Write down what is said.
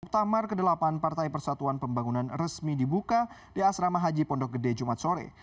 muktamar ke delapan partai persatuan pembangunan resmi dibuka di asrama haji pondok gede jumat sore